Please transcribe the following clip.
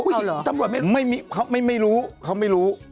อุ๊ยตำรวจไม่รู้เขาไม่รู้